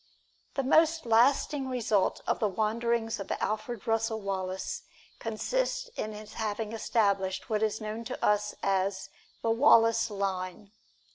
The most lasting result of the wanderings of Alfred Russel Wallace consists in his having established what is known to us as "The Wallace Line."